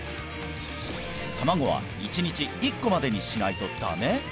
卵は１日１個までにしないとダメ？